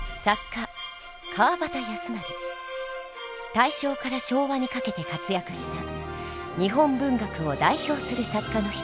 大正から昭和にかけて活躍した日本文学を代表する作家の一人。